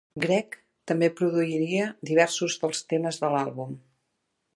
Gregg també produiria diversos dels temes de l'àlbum.